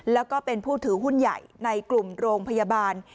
แล้วก็เป็นผู้ถือหุ้นใหญ่ในกลุ่มโรงพยาบาล